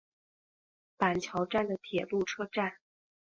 板桥站的铁路车站。